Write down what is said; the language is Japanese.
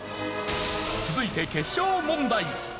続いて決勝問題！